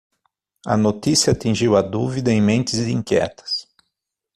A notícia atingiu a dúvida em mentes inquietas.